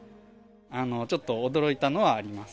ちょっと驚いたのはあります。